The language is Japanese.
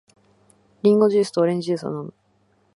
リンゴジュースとオレンジジュースを飲む。